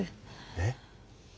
えっ⁉